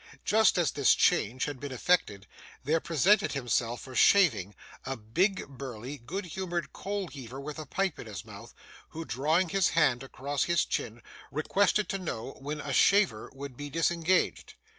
Just as this change had been effected, there presented himself for shaving, a big, burly, good humoured coal heaver with a pipe in his mouth, who, drawing his hand across his chin, requested to know when a shaver would be disengaged.